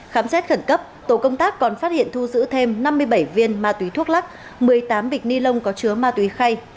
khám xét khẩn cấp tổ công tác còn phát hiện thu giữ thêm năm mươi bảy viên ma túy thuốc lắc một mươi tám bịch ni lông có chứa ma túy khay